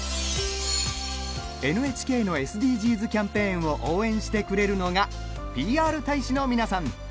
ＮＨＫのＳＤＧｓキャンペーンを応援してくれるのがＰＲ大使の皆さん。